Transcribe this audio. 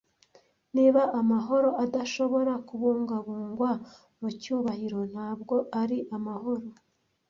Niba amahoro adashobora kubungabungwa mu cyubahiro, ntabwo ari amahoro.